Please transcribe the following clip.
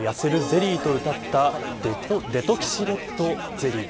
このやせるゼリーとうたったデトキシレットゼリー。